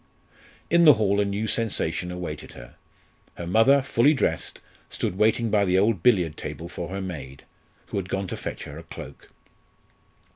In the hall a new sensation awaited her. Her mother, fully dressed, stood waiting by the old billiard table for her maid, who had gone to fetch her a cloak.